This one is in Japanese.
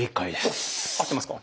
おっ合ってますか。